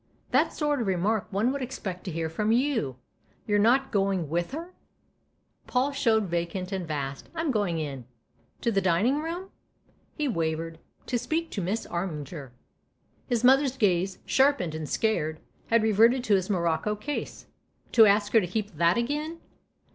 " That's the sort of remark one would expect to hear from you ! You're not going with her ?" Paul showed vacant and vast. " I'm going in." " To the dining room ?" He wavered. " To speak to Miss Armiger." His mother's gaze, sharpened and scared, had reverted to his morocco case. " To ask her to keep that again